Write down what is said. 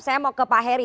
saya mau ke pak heri